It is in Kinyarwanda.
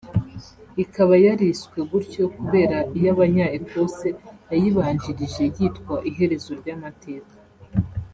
ikaba yariswe gutyo kubera iy’abanya Ecosse yayibanjirije yitwa “ Iherezo ry’Amateka”